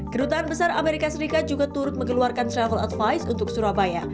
kedutaan besar amerika serikat juga turut mengeluarkan travel advice untuk surabaya